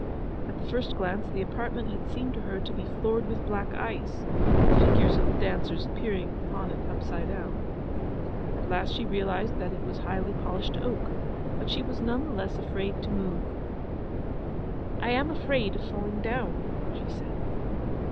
At the first gaze the apartment had seemed to her to be floored with black ice; the figures of the dancers appearing upon it upside down. At last she realized that it was highly polished oak, but she was none the less afraid to move. 'I am afraid of falling down,' she said.